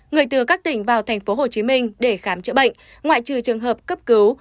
người từ các tỉnh vào tp hcm để khám chữa bệnh ngoại trừ trường hợp cấp cứu